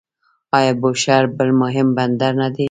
آیا بوشهر بل مهم بندر نه دی؟